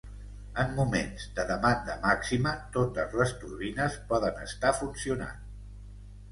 En moments de demanda màxima totes les turbines poden estar funcionant.